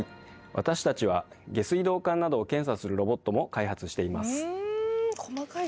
私たちは下水道管などを検査するロボットも開発しています。